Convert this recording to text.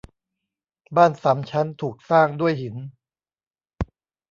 บ้านสามชั้นถูกสร้างด้วยหิน